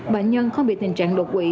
bệnh nhân không bị tình trạng đột quỵ